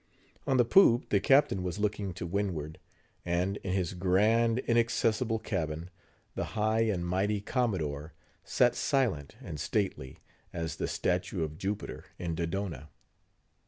On the poop, the captain was looking to windward; and in his grand, inaccessible cabin, the high and mighty commodore sat silent and stately, as the statue of Jupiter in Dodona.